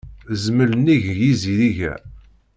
Zmel nnig yizirig-a.